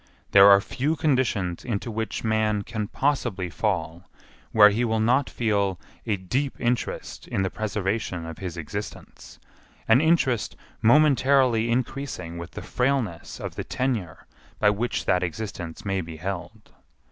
There are few conditions into which man can possibly fall where he will not feel a deep interest in the preservation of his existence; an interest momentarily increasing with the frailness of the tenure by which that existence may be held.